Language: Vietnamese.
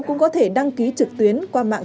cũng có thể đăng ký trực tuyến qua mạng